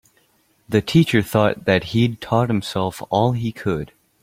The teacher thought that he'd taught himself all he could.